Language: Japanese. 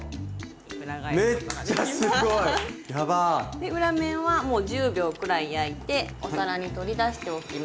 で裏面はもう１０秒くらい焼いてお皿に取り出しておきます。